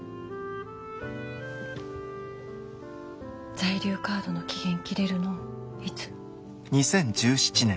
在留カードの期限切れるのいつ？